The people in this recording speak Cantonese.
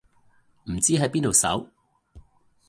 唔知喺邊度搜